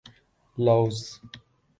Laos